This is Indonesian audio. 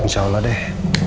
insya allah deh